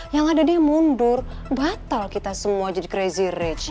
yang ada deh mundur batal kita semua jadi crazy rich